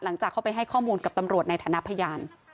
หลังจากเข้าไปให้ข้อมูลกับตำรวจในฐานะพยาน